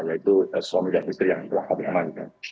yaitu suami dan istri yang telah kami amankan